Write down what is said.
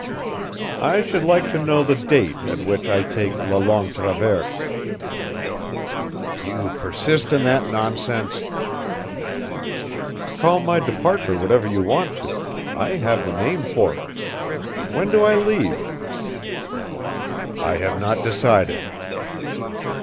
"I should like to know the date at which I take la Longue Traverse". "You persist in that nonsense?" "Call my departure whatever you want to I have the name for it. When do I leave?" "I have not decided."